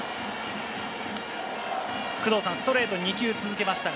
ストレート、２球続けましたが。